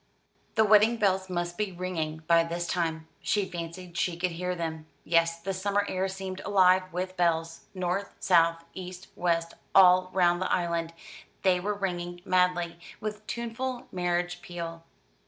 The wedding bells must be ringing by this time. She fancied she could hear them. Yes, the summer air seemed alive with bells. North, south, east, west, all round the island, they were ringing madly, with tuneful marriage peal.